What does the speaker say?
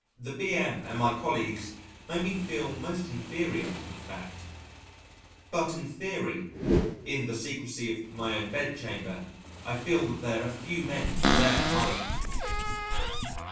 The B.M. and my colleagues make me feel most inferior in fact, but in theory in the secrecy of my own bedchamber I feel that there are few men there my equal.